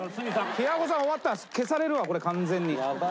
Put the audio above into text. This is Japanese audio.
平子さん終わったら消されるわこれ完全に。